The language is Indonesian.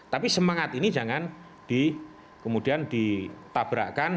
tapi semangat ini jangan kemudian ditabrakkan